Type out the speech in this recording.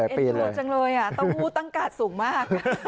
เอ็นจรูนจังเลยเต้าหู้ตั้งกาดสูงมาก